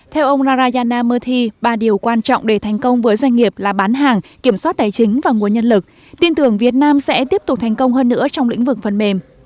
theo ông rarayana mothi ba điều quan trọng để thành công với doanh nghiệp là bán hàng kiểm soát tài chính và nguồn nhân lực tin tưởng việt nam sẽ tiếp tục thành công hơn nữa trong lĩnh vực phần mềm